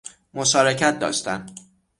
مشارکت داشتن